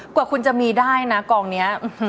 กว่าคุณจะมีได้นะกองนี้